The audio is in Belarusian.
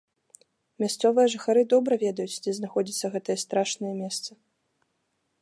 Мясцовыя жыхары добра ведаюць, дзе знаходзіцца гэтае страшнае месца.